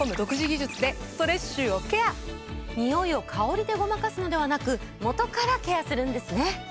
ニオイを香りでごまかすのではなく元からケアするんですね。